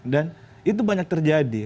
dan itu banyak terjadi